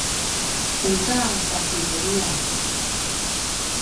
uza kakiveliyan